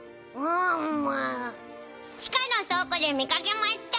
うむ地下の倉庫で見かけまちた！